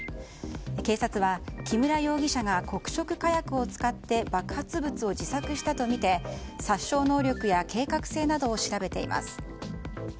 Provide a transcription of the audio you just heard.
警察は、木村容疑者が黒色火薬を使って爆発物を自作したとみて殺傷能力や計画性などを調べています。